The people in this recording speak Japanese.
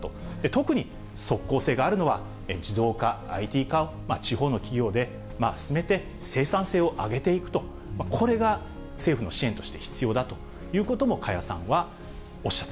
特に即効性があるのは自動化、ＩＴ化を地方の企業で進めて生産性を上げていくと、これが政府の支援として必要だということも加谷さんはおっしゃっ